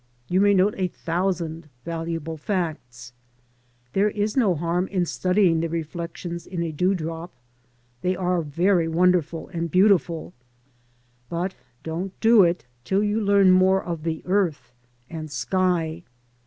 You may note a thousand valuable facts. There is no harm in studying the reflections in a dewdrop. They are very wonderful and beautiful, but don't do it till you learn more of the earth and sky.